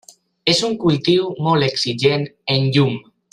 És un cultiu molt exigent en llum.